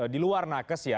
di luar nakes ya